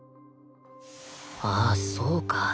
ああそうか